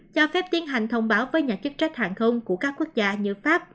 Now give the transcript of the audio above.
cho phép tiến hành thông báo với nhà chức trách hàng không của các quốc gia như pháp